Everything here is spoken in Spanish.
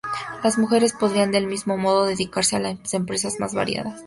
Las mujeres podrían, del mismo modo, dedicarse a las empresas más variadas.